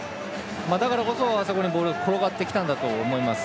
だからこそ、あそこにボールが転がってきたんだと思います。